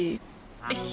よし。